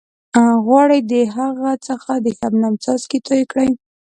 غواړئ د هغې څخه د شبنم څاڅکي توئ کړئ.